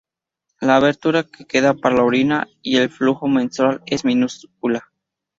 La abertura que queda para la orina y el flujo menstrual es minúscula.